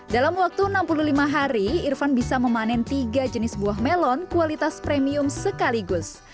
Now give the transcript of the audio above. dalam waktu enam puluh lima hari irfan bisa memanen tiga jenis buah melon kualitas premium sekaligus